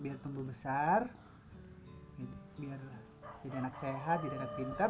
biar tumbuh besar biar jadi anak sehat jadi anak pinter